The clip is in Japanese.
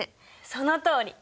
そのとおり！